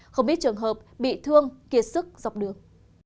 không ít trường hợp bị thương kiệt sức dọc đường